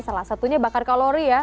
salah satunya bakar kalori ya